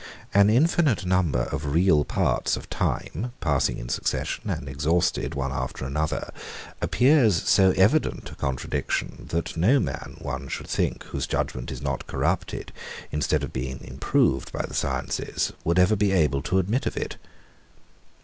An infinite number of real parts of time, passing in succession, and exhausted one after another, appears so evident a contradiction, that no man, one should think, whose judgement is not corrupted, instead of being improved, by the sciences, would ever be able to admit of it.